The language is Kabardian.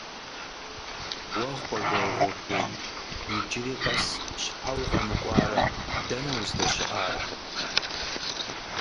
Уэ, Хъуэжэ угъурлыжь, иджыри къэс щхьэ укъэмыкӀуарэ, дэнэ уздэщыӀар?